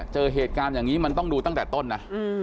เจอเหตุการณ์อย่างนี้มันต้องดูตั้งแต่ต้นนะ